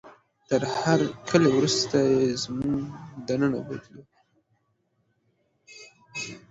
تر هرکلي وروسته یې موږ دننه بوتلو.